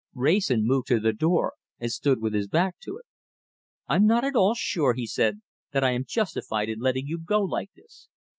Wrayson moved to the door and stood with his back to it. "I am not at all sure," he said, "that I am justified in letting you go like this.